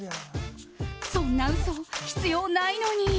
そんな嘘、必要ないのに。